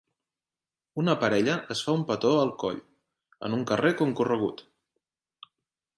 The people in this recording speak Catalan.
Una parella es fa un petó al coll en un carrer concorregut